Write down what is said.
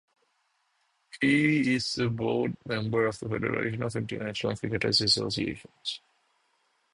He is a board member of the Federation of International Cricketers' Associations.